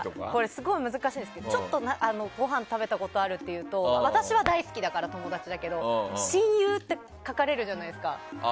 すごい難しいんですけどちょっとごはん食べたことあるって言うと私は大好きだから友達だけど親友って書かれるじゃないですか。